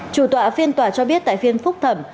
chủ tọa phiên tòa cho biết tại phiên phúc thẩm